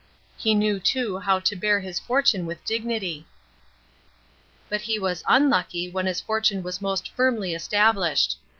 H« knew too how to bear his fortune with dignity. But he Wcis un« lucky when his fortune wa< most firmly established.